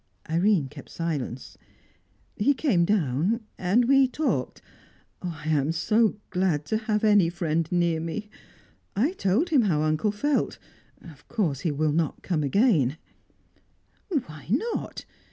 Irene kept silence. "He came down and we talked. I am so glad to have any friend near me! I told him how uncle felt. Of course he will not come again " "Why not?